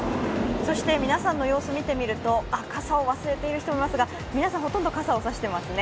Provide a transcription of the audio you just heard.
そして皆さんの様子、見てみると傘を忘れている人もいますが皆さんほとんど傘を差していますね。